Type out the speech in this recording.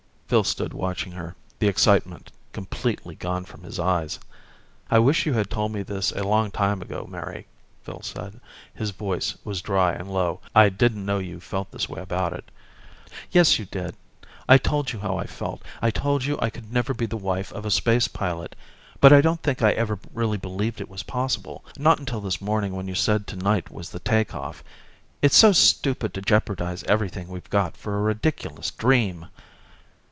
Phil stood watching her, the excitement completely gone from his eyes. "I wish you had told me this a long time ago, Mary," Phil said. His voice was dry and low. "I didn't know you felt this way about it." "Yes, you did. I told you how I felt. I told you I could never be the wife of a space pilot. But I don't think I ever really believed it was possible not until this morning when you said tonight was the take off. It's so stupid to jeopardize everything we've got for a ridiculous dream!"